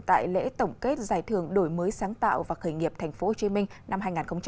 tại lễ tổng kết giải thưởng đổi mới sáng tạo và khởi nghiệp tp hcm năm hai nghìn hai mươi